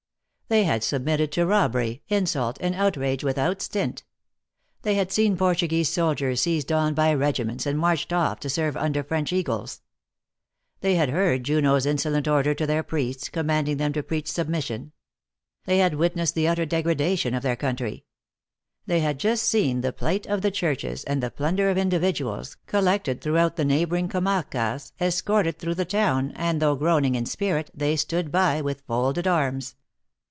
They had submitted to robbery, insult, and outrage without stint. They had seen Portuguese soldiers seized on by regiments, and marched off to serve under French eagles. They had heard Junot s inso lent order to their priests, commanding them to preach submission. They had witnessed the utter degrada tion of their country. They had just seen the plate of the churches, and the plunder of individuals, col lected throughout the neighboring comarcas, escorted through the town, and, though groaning in spirit, they stood by with folded arms.